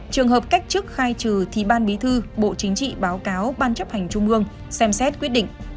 trường hợp cách chức khai trừ thì ban bí thư bộ chính trị báo cáo ban chấp hành trung ương xem xét quyết định